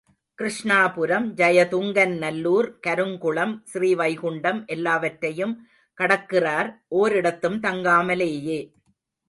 கிருஷ்ணாபுரம், ஜயதுங்கன் நல்லூர், கருங்குளம், ஸ்ரீவைகுண்டம் எல்லாவற்றையும் கடக்கிறார், ஓரிடத்தும் தங்காமலேயே.